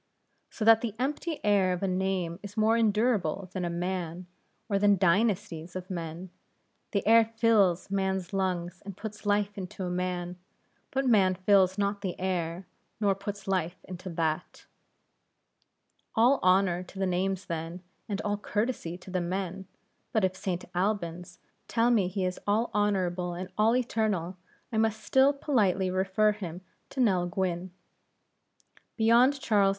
So that the empty air of a name is more endurable than a man, or than dynasties of men; the air fills man's lungs and puts life into a man, but man fills not the air, nor puts life into that. All honor to the names then, and all courtesy to the men; but if St. Albans tell me he is all honorable and all eternal, I must still politely refer him to Nell Gwynne. Beyond Charles II.